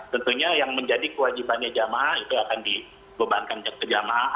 tentunya yang menjadi kewajibannya jamaah itu akan dibebankan ke jamaah